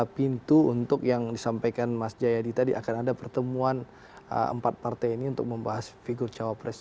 dan juga pintu untuk yang disampaikan mas jayadi tadi akan ada pertemuan empat partai ini untuk membahas figur cawapres